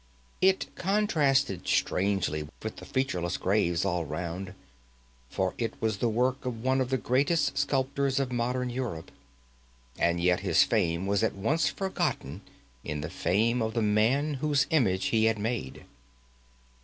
It contrasted strangely with the featureless graves all round, for it was the work of one of the greatest sculptors of modern Europe; and yet his fame was at once forgotten in the fame of the man whose image he had made.